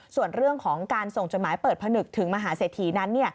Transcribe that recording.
ส่วนเรื่องของการส่งจดหมายเปิดผนึกถึงมหาเศรษฐีนั้น